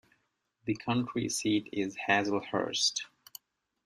The county seat is Hazlehurst.